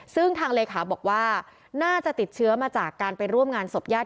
ซึ่งทางเลขาบอกว่าน่าจะติดเชื้อมาจากการไปร่วมงานศพญาติ